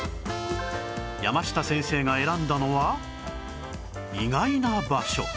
やました先生が選んだのは意外な場所